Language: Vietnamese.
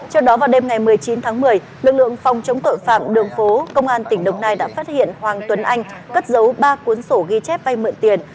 trước đó vào đêm ngày một mươi chín tháng một mươi lực lượng phòng chống tội phạm đường phố công an tỉnh đồng nai đã phát hiện hoàng tuấn anh cất giấu ba cuốn sổ ghi chép vay mượn tiền